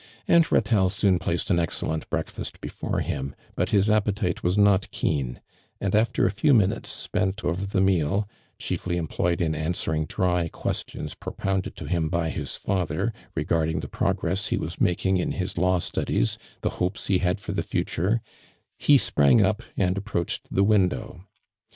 Aunt Ratelle soon placed an excellent breakfast before him, but his appetite was not keen, and after a few minutes spent over the meal, chiefly employed in answer ing dry questions propounded to him by his father regarding the progress he was making in his law studies — the hopes he had for the future, he sprang up and ap" proached the window.